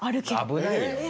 危ないよ。